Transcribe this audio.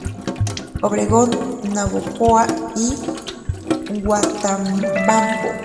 Obregón, Navojoa y Huatabampo.